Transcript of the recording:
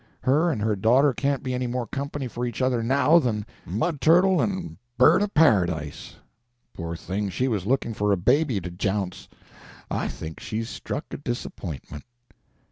Her and her daughter can't be any more company for each other now than mud turtle and bird o' paradise. Poor thing, she was looking for a baby to jounce; I think she's struck a disapp'intment."